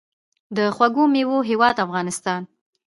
د خوږو میوو هیواد افغانستان.